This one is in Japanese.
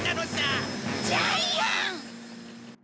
ジャイアン！